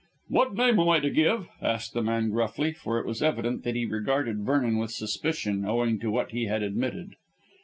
"What name am I to give?" asked the man gruffly, for it was evident that he regarded Vernon with suspicion owing to what he had admitted.